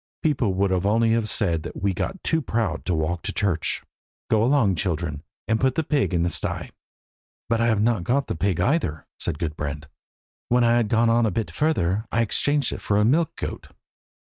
People would only have said that we had got too proud to walk to church. Go along, children, and put the pig in the sty." "But I have not got the pig either," said Gudbrand. "When I had gone on a bit further I exchanged it for a milch goat."